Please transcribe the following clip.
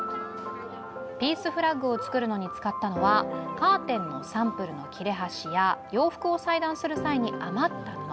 ピースフラッグを作るのに使ったのはカーテンのサンプルの切れ端や洋服を裁断する際に余った布。